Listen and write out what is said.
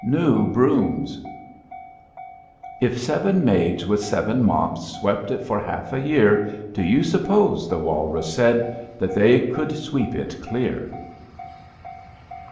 NEW BEOOMS If seven maids with seven mops Swept it for half a year, Do you suppose," the Walrus said, " That they could sweep it clear?